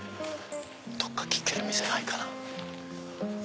どこか聞ける店ないかな？